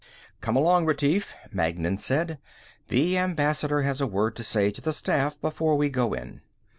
"Come along, Retief," Magnan said. "The Ambassador has a word to say to the staff before we go in."